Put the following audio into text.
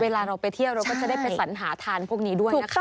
เวลาเราไปเที่ยวเราก็จะได้ไปสัญหาทานพวกนี้ด้วยนะคะ